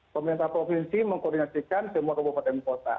pemerintah provinsi mengkoordinasikan semua kabupaten dan kota